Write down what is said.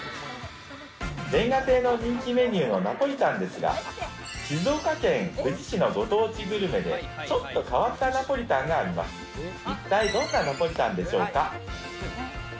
煉瓦亭の人気メニューのナポリタンですが、静岡県富士市のご当地グルメで、ちょっと変わったナポリタンがあおわんわーんおわんわーん